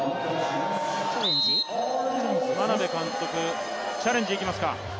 眞鍋監督、チャレンジいきますか。